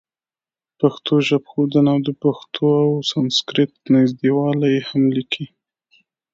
پښتو ژبښودنه او د پښتو او سانسکریټ نزدېوالی هم لیکلي.